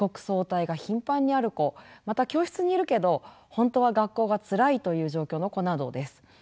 早退が頻繁にある子また教室にいるけれど本当は学校がつらいという状況の子などです。